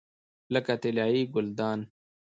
لکه طلایي ګلدان.